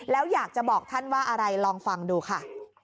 แล้วอยากจะบอกท่านว่าอะไรลองฟังดูค่ะ